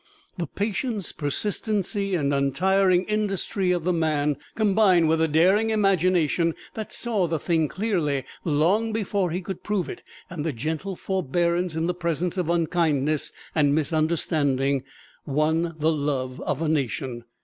The patience, persistency and untiring industry of the man, combined with the daring imagination that saw the thing clearly long before he could prove it, and the gentle forbearance in the presence of unkindness and misunderstanding, won the love of a nation.